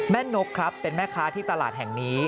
นกครับเป็นแม่ค้าที่ตลาดแห่งนี้